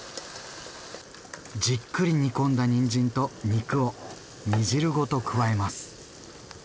じっくり煮込んだにんじんと肉を煮汁ごと加えます。